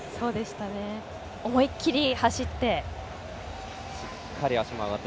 思い切り走って。